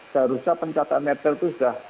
seharusnya pencatatan netel itu sudah